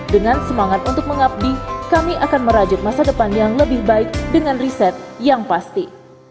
dengan semangat untuk mengabdi kami akan merajut masa depan yang lebih baik dengan riset yang pasti